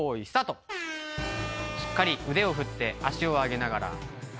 しっかり腕を振って足を上げながら。